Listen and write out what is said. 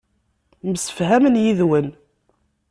Msefhamen yid-wen.